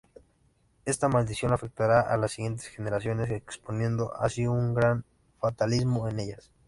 Esta maldición afectará a las siguientes generaciones exponiendo así un gran fatalismo en ellas.